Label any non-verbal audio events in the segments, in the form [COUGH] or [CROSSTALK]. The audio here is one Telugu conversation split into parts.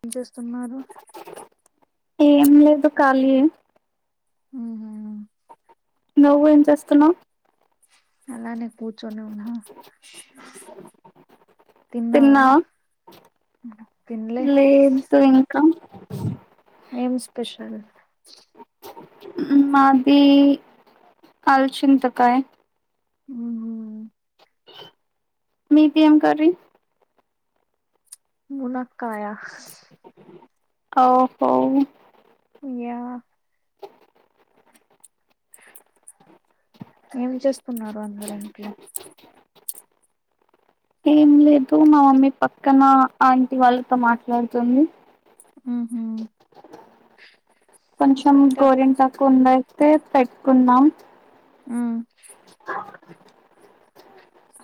ఏం చేస్తున్నారు ఏం లేదు ఖాళీయే ఉహో నవ్వు ఏం చేస్తున్నావ్ అలానే పూత్ చోనే ఉన్నా తిన్నావా తిన్లే లేదు ఇంకా ఏం స్పెషల్ మాది అల్ చింతకాయ ఉహో మీది ఏం కర్రీ మునా కాయా ఓహో న్య ఏం చేస్స్ ఉన్నారు అందరు ఇంట్ల ఏం లేదు మా మమ్మీ పక్కన ఆంటి వాళ్ళతో మాట్లాడుతుంది. హు కొంచం ఇంకా గోరింటాకు ఉండయ్. తే పెట్ క్కుంనం. ఉ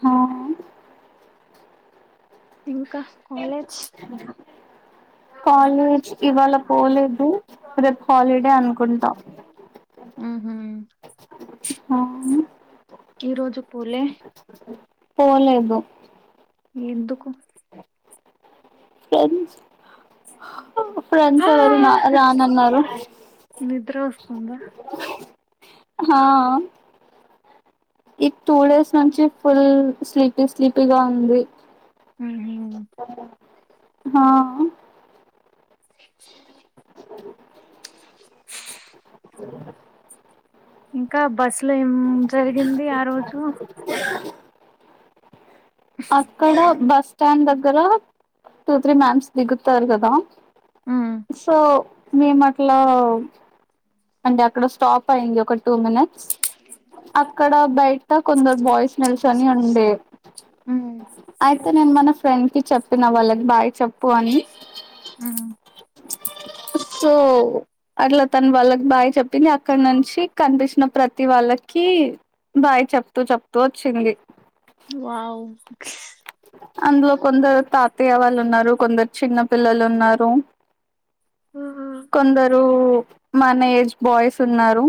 హాహు తింగ్స్ ఖ కాలేజ్ కాలేజ్ ఇవాళ పోలేదు, రేప్ హాలిడే అనుకుంట. ఊహూ. అము ఈ రోజు పూలే పోలేదు ఎందుకు స్పెన్స్ ఆ ఫ్రెండ్స్ ఎవరు రా రానన్నారు. ఉందా హా, ఈ టూ డేస్ నుంచి ఫుల్ స్లీపీ స్లీపీగా ఉంది. ఉహు హా అ ఇంకా బస్సులో ఏం జరిగింది ఆ రోజు అక్కడ బ స్టాండ్ దగ్గర టూ త్రీ మ్యామ్స్ దిగుతారు కదా. మ్. సో మేము అట్లా, అంటే అక్కడ స్టాప్ అయింది. ఒక టూ మినిట్స్, అక్కడ బయట కొందరు బాయ్స్ నిల్చొని ఉండే మ్. అయ్ తే నేను మన ఫ్రెండ్ కి చెప్పిన వాళ్ళక్ బాయ్ చెప్పు అని మ్. సో అట్ల తన వాళ్ళకి బాయ్ చెప్పింది అక్కడ్నుంచి కనిపిస్న ప్రతి వాళ్ళకి బాయ్ చెప్తూ చెప్తూ వచ్చింది. వావ్ అందులో కొందరు తాతయ్య వాళ్ళు ఉన్నారు కొందరు చిన్న పిల్లలు ఉన్నారు ఊహూ. కొందరు మన ఏజ్ బాయ్స్ ఉన్నారు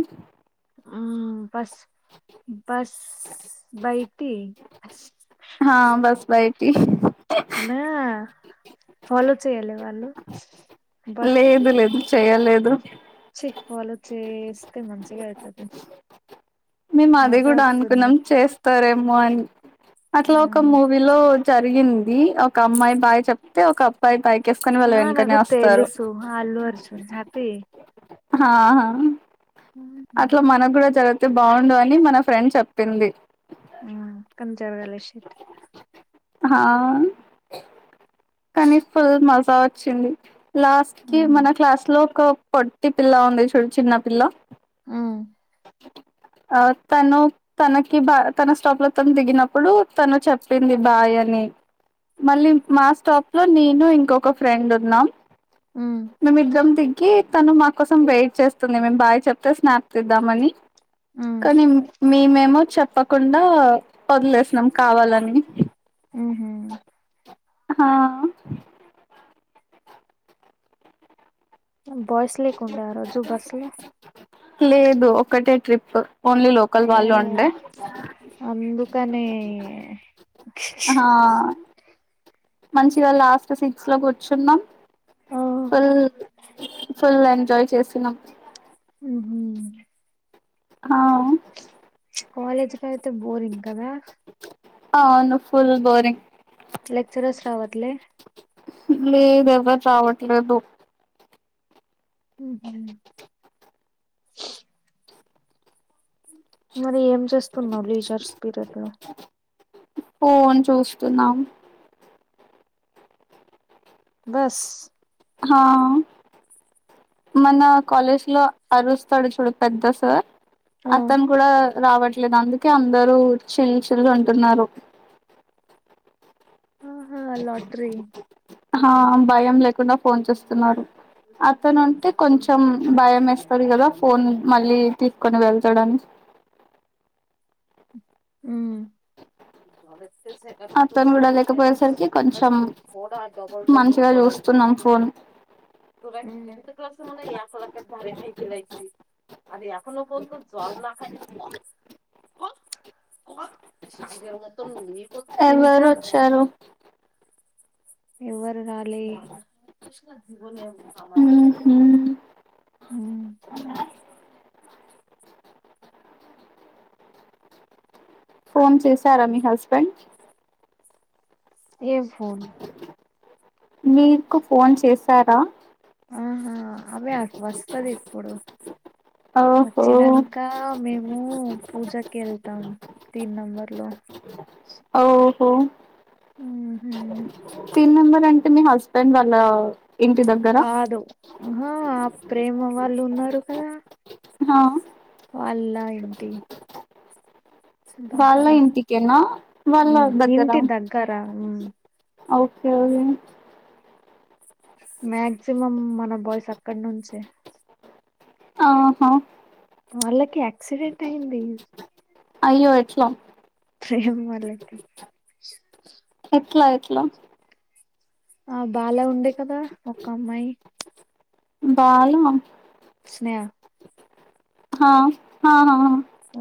ఉ బస్ బస్ బైటి అస్ హా బస్ బయ్ టీ ఫలోచే తేలే వాళు బస్కి లేదు లేదు చేయలేదు ఛీ ఫలో చేస్తే మంచిగైతది మేము అది కూడా అనుకున్నాం చేస్తారూ వాల్ అట్లా ఒక ఉమ్. మూవీలో జరిగింది ఒక అమ్మాయి బాయ్ చెప్తే ఒక అబ్బాయి బాయ్ ఆ నాకు తెలుసు ఆ అల్లు అర్జున్ హ్యాపీ హా హా ఉమ్ అట్లా మనకు కూడా జరిగితే బాగుండు అని మన ఫ్రెండ్ చెప్పింది ఉమ్ కానీ జరగలే షట్ హా కానీ ఫేమస్ బావచ్చింది లాస్ట్ కి ఉహు మన క్లాస్ లో ఒక పొట్టి పిల్లా ఉంది చూడు చిన్న పిల్ల ఉ తను తనకి బా తన స్టాప్ లో తను దిగినప్పుడు తను చెప్పింది బాయ్ అని మళ్ళీ మా స్టాప్ లో నేను ఇంకొక ఫ్రెండ్ ఉన్నాం ఉమ్ మేము ఇద్దరం దిగ్ కి తను నాక్ కోసం వెయిట్ చేస్తుంది మేము బాయ్ చెప్తే స్నాప్ తీద్దామని ఉమ్ కానీ మేము ఏమో చెప్పకుండా వదిలేసినాం కావాలని ఉ హా బాయ్స్ లేకుండే ఆ రోజు బస్లో లేదు ఒకటే ట్రిప్ ఓన్లీ లోకల్ ఓ వాళ్ళు ఉండే అందుకనే ఆ మంచిగా లాస్ట్ సీట్స్ లో కూర్చున్నాం ఆ ఉమ్ ఫుల్ ఎంజాయ్ చేసినాం ఉహూ హ కాలేజ్లో అయితే బోరింగ్ కదా ఆ అవును ఫుల్ బోరింగ్ లెక్చరర్స్ రావట్లే లేదు ఎవరు రావట్లేదు ఉహూ మరి ఏం చేస్తున్నావు లీజర్స్ పీరియడ్ లో ఫోను చూస్తున్నాం బస్ హా మన కాలేజ్లో అరుస్తాడు చూడు పెద్ద సార్ ఆ అతను కూడా రావట్లేదు అందుకే అందరూ చిల్ చిల్ అంటున్నారు ఆహా లాట్రీ ఆ భయం లేకుండా ఫోన్ చేస్తున్నారు అతను ఉంటే కొంచెం భయం వేస్తంది కదా ఫోన్ మళ్ళీ తీసుకొని వెళ్తాడని అ మకయ పడబడబ అతను కూడా లేకపోయేసరికి కొంచెం మంచిగా పడసి చూస్తున్నాం ఫోన్ క్ మ ఎఫ దధారయి పసి ఎ కొ జల్ నా క మత ఎవరు మీకుకా వచ్చారు ఇ లే అవునా ఫోన్ చేశారా మీ హస్బెండ్ ఏ ఫోన్ మీకు ఫోన్ చేసారా ఆహా అవి వస్తది ఇప్పుడు ఓహో వచ్చినాక మేము పూజకి వెళ్తా తన్ నంబర్ లో ఓహో ఉహు తన్ నంబర్ అంటే మీ హస్బెండ్ వాళ్ళ ఇంటి దగ్గర కాదు ఆ ప్రేమ వాళ్ళు ఉన్నారు కదా హా వాళ్ళా ఏంటి వాళ్ళ ఏపాంకార ఇంటికేనా వాళ్ళ దగ్గర నింత దగ్గార ఓకే ఓకే మ్యాక్సిమం మన బాయ్స్ అక్కడ నుంచే ఆహా వాళ్ళకి యాక్సిడెంట్ అయింది అయ్యో ఎట్లో ప్రేమ్ వాలకి ఎట్లా ఎట్లా ఆ బాల ఉండే కదా ఒక అమ్మాయి బాల అన్నయ హా హా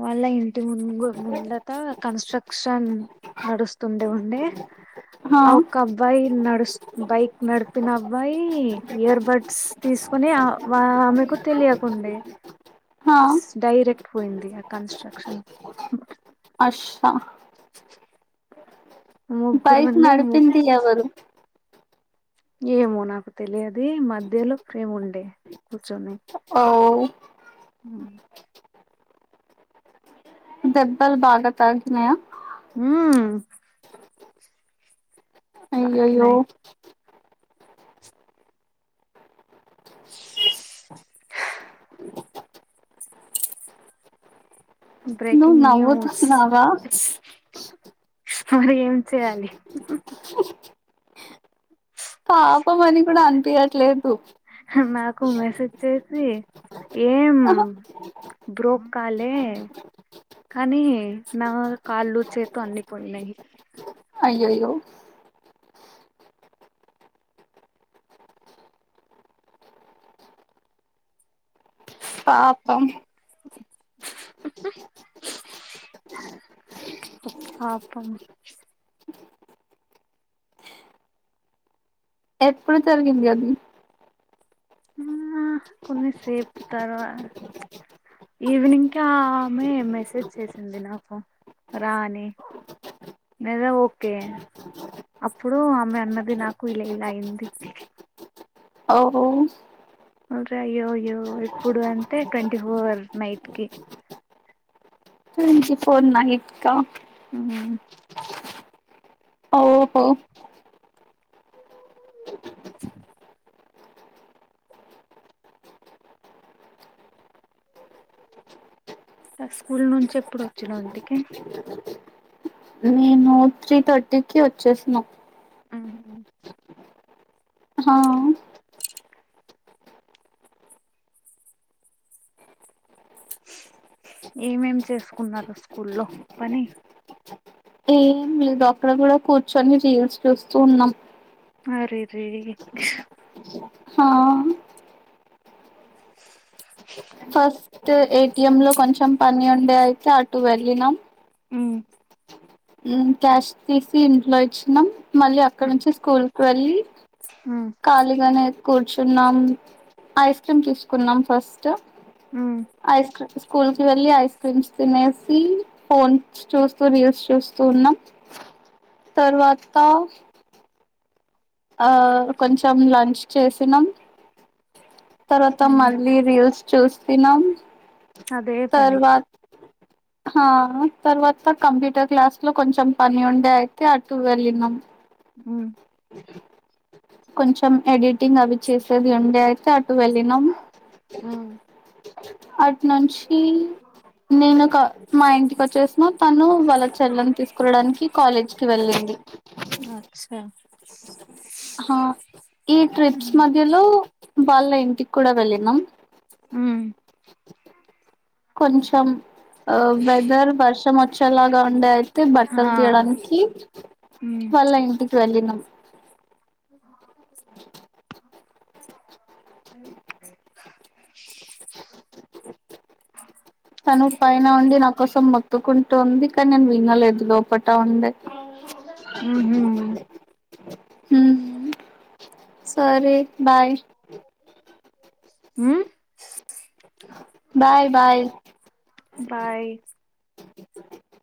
వాళ్ళ ఇంటి ముందు ముందత కన్స్ట్రక్షన్ నడుస్తుండే ఉండి హా ఆ ఒక్క అబ్బాయి నడుస్ బైక్ నడిపిన అబ్బాయి ఇయర్ బడ్స్ తీసుకుని ఆమెకు తెలియకుండే హా డైరెక్ట్ పోయింది కన్స్ట్రక్క్షన్ అచ్చా ముగ్గురు బైక్ ఉండే ము నడిపింది ఎవరు ఏమో నాకు తెలియదు మధ్యలో ప్రేమ్ ఉండే కూర్చొని అవు అ దెబ్బల్ బాగా తాకినయ ఆ అయ్యయ్యో తాకినాయి ఆ నువ్వు బ్రేకింగ్ న్యూస్ నవ్వుతున్నావా మరి ఏం చేయాలి పాపమని కూడా అనిపించట్లేదు నాకు మెసేజ్ చేసి ఏం ఆహా బ్రోక్ కాలే కానీ నా కాళ్ళు చేతు అన్నిపోయినాయి అయ్యో అయ్యో పాపం పాపం ఎప్పుడు జరిగింది అది ఆ కొన్నిసేపు తర్వా ఈవినింగ్కి ఆ ఆమె మెసేజ్ చేసింది నాకు రా అని లేదా ఓకే అప్పుడు ఆమె అన్నది నాకు ఇలా ఇలా అయింది ఓ అయ్యో అయ్యో ఇప్పుడు అంటే ట్వంటీ ఫోర్ నైట్ కి ట్వంటీ ఫోర్ నైట్ క ఉమ్. ఓహో ఆ ఆ స్కూల్ నుంచి ఎప్పుడు వచ్చినా ఇంటికి నేను త్రీ థర్టీకిి వచ్చేసను ఉమ్. హ ఏమేం చేసుకున్నారు స్కూల్లో పని ఏం మీరు అక్కడ కూడా కూర్చొని రీల్స్ చూస్తూ ఉన్నా అరెరే ఆా ఫస్ట్ ఏటిఎం లో కొంచెం పని ఉండే అయితే అటు వెళ్ళినాం ఉమ్. క్యాష్ తీసి ఇంట్లో ఇచ్చినాం మళ్ళీ అక్కడ నుంచి స్కూల్కి వెళ్ళి ఉమ్. ఖాళీగానే కూర్చున్నాం ఐస్ క్రీమ్ తీసుకున్నాం ఫస్ట్ ఉమ్. ఐస్క్రీ స్కూల్ కి వెళ్ళి ఐస్ క్రీమ్స్ తినేసి ఫోన్ చూస్తూ రీల్స్ చూస్తూ న్నాం తర్వాత ఆ కొంచెం లంచ్ చేసినాం తర్వాత ఉమ్. మళ్ళీ రీల్స్ చూస్ చూస్తున్నం అదే పనిి తర్వాత కంప్యూటర్ క్లాస్ లో కొంచెం పని ఉండే అయితే అటు వెళ్ళినాము ఉ కొంచెం ఎడిటింగ్ అవి చేసేది ఉండే అటు వెళ్ళినం ఉమ్. అటు నుంచి నేను ఒక మా ఇంటి వచ్చేసినం తను వాళ్ళ చెల్లెను తీసుకువడానికి కాలేజ్కిి వెళ్ళింది అచ్చా ఈ ట్రిప్స్ ఉమ్. మధ్యలో వాళ్ళ ఇంటికి కూడా వెళ్ళినాం ఆ కొంచెం ఆ వెదర్ వర్షం వచ్చేలాగా ఉండే అయితే బట్టలు ఆ. తీయడానికి ఉమ్. వాళ్ళ ఇంటికి వెళ్ళిన [UNINTELLIGIBLE] [UNINTELLIGIBLE] [UNINTELLIGIBLE] [UNINTELLIGIBLE] తను పైన ఉండి నాకు కోసం మొత్తుకుంటుంది కానీ నేను వినలేదు లోపట్ ట్ట ఉంది ఉహుం. హ సరే బాయ్ హ బాయ్ బాయ్ బాయ్